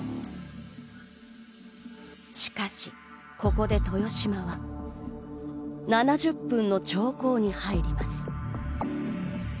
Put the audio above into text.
しかし、ここで豊島は７０分の長考に入ります。